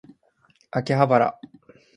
秋葉原